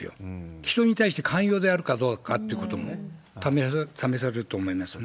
人に対して寛容であるかどうかということも試されると思いますね。